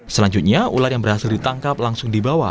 selanjutnya ular yang berhasil ditangkap langsung dibawa